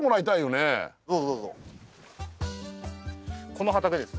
この畑です。